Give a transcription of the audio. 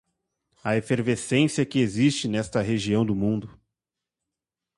à efervescência que existe nesta região do mundo